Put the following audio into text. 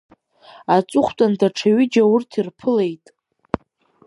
Аҵыхәтәан даҽа ҩыџьа урҭ ирԥылеит.